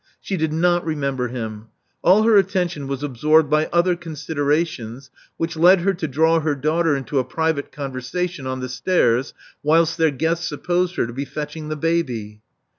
She did not remember him. All her attention was absorbed by other considerations, which led her to draw her daughter into a private conversation on the stairs whilst their guests supposed her to be fetching the baby.